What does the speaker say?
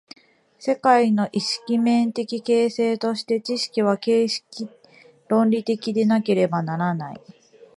世界の意識面的形成として、知識は形式論理的でなければならない。